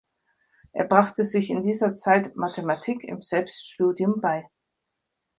Er brachte sich in dieser Zeit Mathematik im Selbststudium bei.